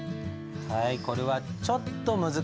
はいこれはちょっと難しいよね。